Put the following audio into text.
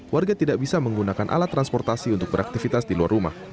warga tidak bisa menggunakan alat transportasi untuk beraktivitas di luar rumah